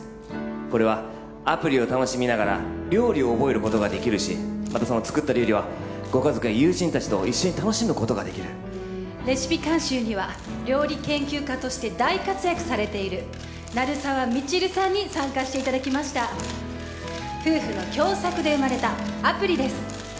これはアプリを楽しみながら料理を覚えることができるしまたその作った料理はご家族や友人達と一緒に楽しむことができるレシピ監修には料理研究家として大活躍されている鳴沢未知留さんに参加していただきました夫婦の共作で生まれたアプリです